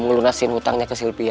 melunasi hutangnya ke silpia